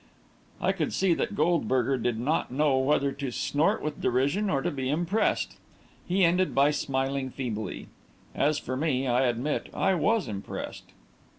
I could see that Goldberger did not know whether to snort with derision or to be impressed. He ended by smiling feebly. As for me, I admit I was impressed.